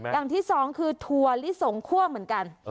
อย่างที่สองคือถั่วลิสงคั่วเหมือนกัน